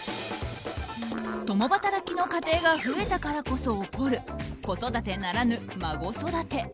共働きの家庭が増えたからこそ起こる、子育てならぬ孫育て。